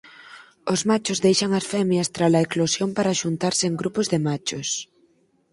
Os machos deixan as femias trala eclosión para xuntarse en grupos de machos.